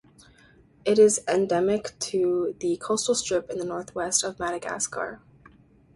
It is endemic to the coastal strip in the northwest of Madagascar.